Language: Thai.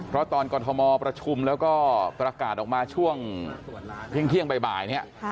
เพราะตอนกรทมประชุมแล้วก็ประกาศออกมาช่วงเที่ยงบ่ายเนี่ย